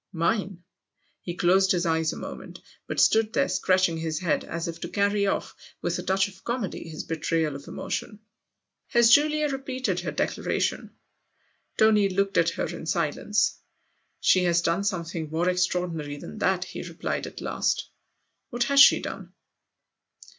" Mine? " He closed his eyes a moment, but stood there scratching his head as if to carry off with a touch of comedy his betrayal of emotion. " Has Julia repeated her declaration ?" Tony looked at her in silence. " She has done something more extraordinary than that," he replied at last. " What has she done